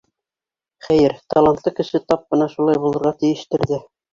Хәйер, талантлы кеше тап бына шулай булырға тейештер ҙә!